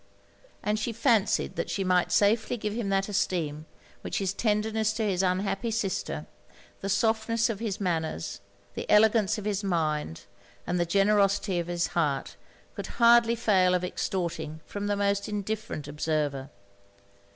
And she fancied that she might safely give him that esteem which his tenderness to his unhappy sister, the softness of his manners, the elegance of his mind, and the generosity of his heart, could hardly fail of extorting from the most indifferent observer.